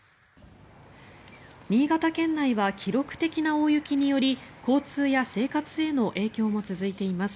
新潟県内は記録的な大雪により交通や生活への影響も続いています。